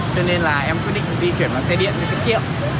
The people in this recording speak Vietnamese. cho nên là em quyết định di chuyển vào xe điện để cất kiệm